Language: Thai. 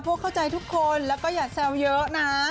เข้าใจทุกคนแล้วก็อย่าแซวเยอะนะ